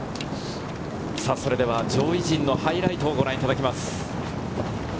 それでは上位陣のハイライトをご覧いただきます。